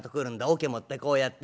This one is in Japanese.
桶持ってこうやって。